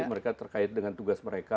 mereka terkait dengan tugas mereka